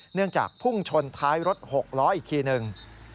เนื่องจากพุ่งชนท้ายรถ๖ล้ออีกทีหนึ่ง